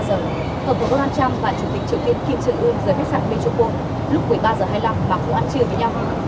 tổng thống donald trump và chủ tịch triều tiên kim trương ươn rời khách sạn mexico lúc một mươi ba giờ hai mươi năm và không ăn trưa với nhau